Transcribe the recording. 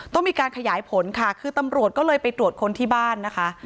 ต้องมีการขยายผลค่ะคือตำรวจก็เลยไปตรวจคนที่บ้านนะคะ